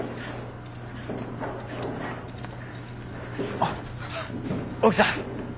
あっ奥さん。